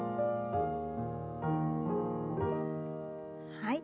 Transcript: はい。